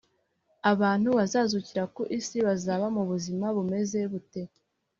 abantu bazazukira ku isi bazaba mu buzima bumeze bute